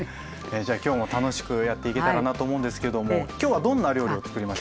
じゃあ今日も楽しくやっていけたらなと思うんですけども今日はどんな料理をつくりましょうか。